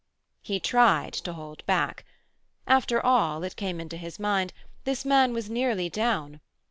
He tried to hold back. After all, it came into his mind, this man was nearly down.